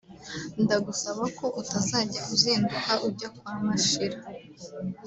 ndagusaba ko utazajya uzinduka ujya kwa Mashira